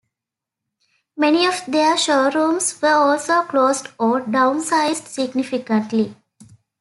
Many of their showrooms were also closed or downsized significantly.